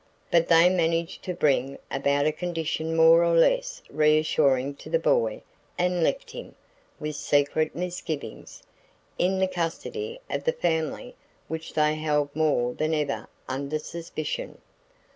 But they managed to bring about a condition more or less reassuring to the boy and left him, with secret misgivings, in the custody of the family which they held more than ever under suspicion.